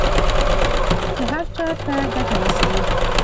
چې هر چا ته ګټه رسوي.